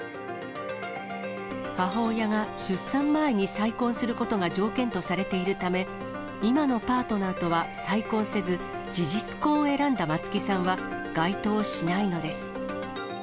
母親が出産前に再婚することが条件とされているため、今のパートナーとは再婚せず、事実婚を選んだ松木さんは、該当しないのです。